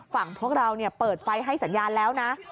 พวกเราเปิดไฟให้สัญญาณแล้วนะ